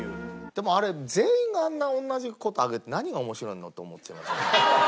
でもあれ全員があんな同じ事を上げて何が面白いの？と思っちゃいますよね。